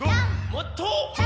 もっと！